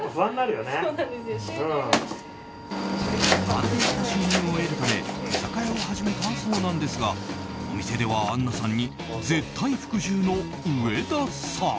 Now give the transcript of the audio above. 安定した収入を得るため居酒屋を始めたそうなんですがお店ではアンナさんに絶対服従の上田さん。